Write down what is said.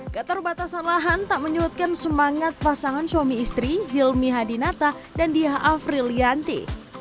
keterbatasan lahan tak menyurutkan semangat pasangan suami istri hilmi hadinata dan diah afri lianti